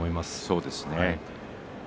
そうですね。